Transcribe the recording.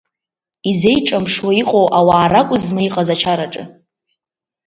Изеиҿамԥшуа иҟоу ауаа ракузма иҟаз ачара аҿы?